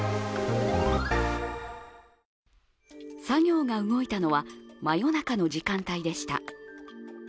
作業が動いたのは真夜中の時間帯でした。